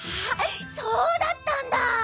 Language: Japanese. そうだったんだ。